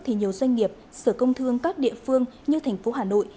thì nhiều doanh nghiệp sở công thương các địa phương như thành phố hà nội